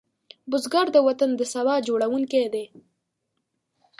بزګر د وطن د سبا جوړوونکی دی